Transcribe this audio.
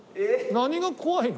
何が怖いの？